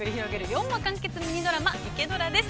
４話完結ミニドラマ「イケドラ」です。